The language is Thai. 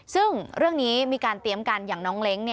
ซึ่งเรื่องนี้มีการเตรียมกันอย่างน้องเล้ง